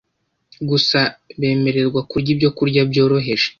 gusa bemererwa kurya ibyokurya byoroheje